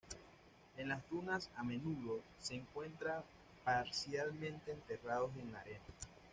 En las dunas a menudo se encuentran parcialmente enterrados en la arena.